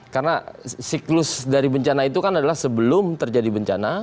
karena siklus dari bencana itu kan adalah sebelum terjadi bencana